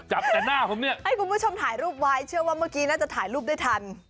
ให้คุณผู้ชมถ่ายรูปไว้เชื่อว่าเมื่อกี้น่าจะถ่ายรูปได้ทัน